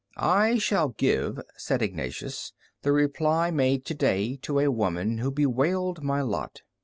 "I shall give," said Ignatius, "the reply made to day to a woman who bewailed my lot.